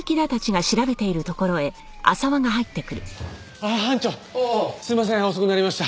ああ班長すいません遅くなりました。